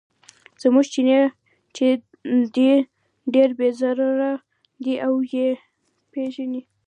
زموږ چیني چې دی ډېر بې ضرره دی او یې پیژني.